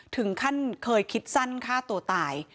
ถึงขั้นเคยคิดสั้นฆ่าตัวตาย